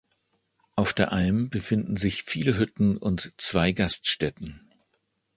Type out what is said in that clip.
Auf der Alm befinden sich viele Hütten und zwei Gaststätten.